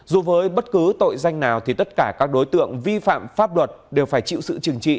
dù với bất cứ tội danh nào thì tất cả các đối tượng vi phạm pháp luật đều phải chịu sự trừng trị